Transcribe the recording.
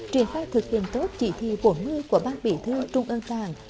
triển khai thực hiện tốt chỉ thị bốn mươi của ban bỉ thư trung ơn tảng